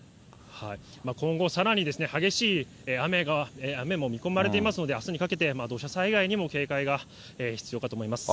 今後さらに激しい雨も見込まれていますので、あすにかけて土砂災害にも警戒が必要かと思います。